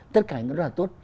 tất cả những đó là tốt